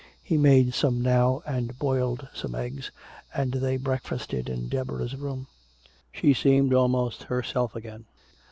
He made some now and boiled some eggs, and they breakfasted in Deborah's room. She seemed almost herself again.